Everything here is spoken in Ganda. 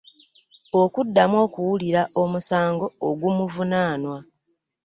Okuddamu okuwulira omusango ogumuvunaanwa.